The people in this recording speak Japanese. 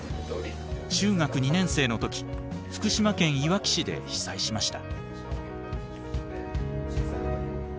中学２年生の時福島県いわき市で被災しました。